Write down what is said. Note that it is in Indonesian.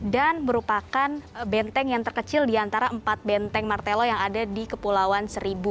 dan merupakan benteng yang terkecil diantara empat benteng martelo yang ada di kepulauan seribu